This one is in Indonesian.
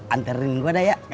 anterin gue dah ya kalian